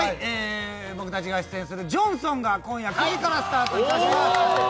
僕達が出演する「ジョンソン」が今夜９時からスタートいたします